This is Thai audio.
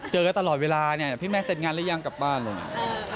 เจอกันตลอดเวลาพี่แม่เสร็จงานแล้วยังกลับบ้านเลย